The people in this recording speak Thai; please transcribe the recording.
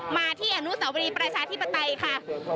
มาที่อนุสาวรีประชาธิปไตยค่ะ